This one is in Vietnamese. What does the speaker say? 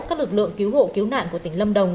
các lực lượng cứu hộ cứu nạn của tỉnh lâm đồng